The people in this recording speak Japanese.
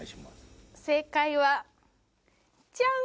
正解はジャン！